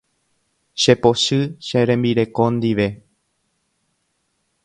Chepochy che rembireko ndive.